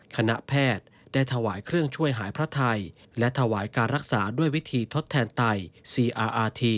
คณะแพทย์ได้ถวายเครื่องช่วยหายพระไทยและถวายการรักษาด้วยวิธีทดแทนไตซีอาอาธี